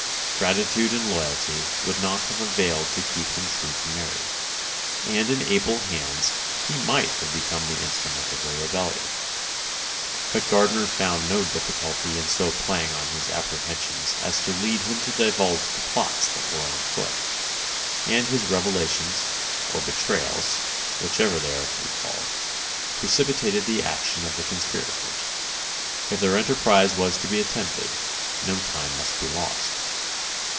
Gratitude and loyalty would not have availed to keep him true to Mary, and in able hands he might have become the instrument of a rebellion. But Gardiner found no difficulty in so playing on his apprehensions as to lead him to divulge the plots that were on foot; and his revelations, or betrayals, whichever they are to be called, precipitated the action of the conspirators. If their enterprise was to be attempted, no time must be lost.